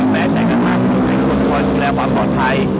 แม้ใจกระทั่งให้ควรควรดูแลความปลอดภัย